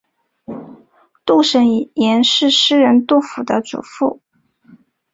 杜审言是诗人杜甫的祖父。